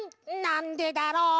「なんでだろう」